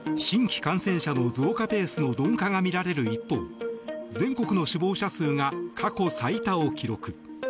新規感染者の増加ペースの鈍化がみられる一方全国の死亡者数が過去最多を記録。